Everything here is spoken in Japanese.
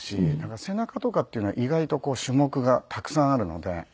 背中とかっていうのは意外と種目がたくさんあるので。